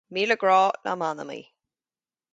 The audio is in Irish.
Míle grá le m'anam í